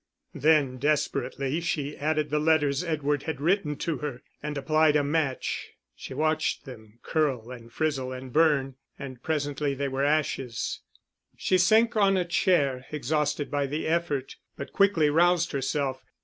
Then, desperately, she added the letters Edward had written to her; and applied a match. She watched them curl and frizzle and burn; and presently they were ashes. She sank on a chair, exhausted by the effort, but quickly roused herself.